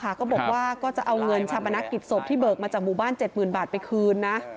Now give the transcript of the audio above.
ก็บอกว่าก็จะเอาเงินชาปนักกิจศพที่เบิกมาจากหมู่บ้าน๗๐๐บาทไปคืนนะ